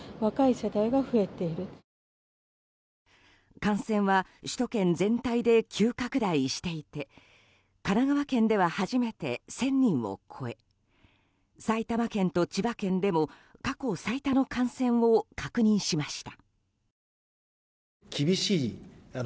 感染は首都圏全体で急拡大していて神奈川県では初めて１０００人を超え埼玉県と千葉県でも過去最多の感染を確認しました。